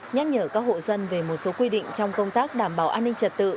nhắc nhở các hộ dân về một số quy định trong công tác đảm bảo an ninh trật tự